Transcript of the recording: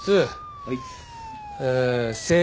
はい。